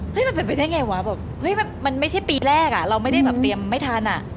เฮ้ยมันเป็นไปได้ยังไงวะมันไม่ใช่ปีแรกอะเราไม่ได้เตรียมไม่ทันอะ